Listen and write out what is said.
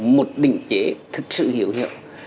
một định chế thực sự hiểu hiệu